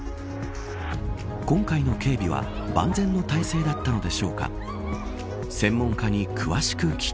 今回の警備は万全の体制だったのでしょうか。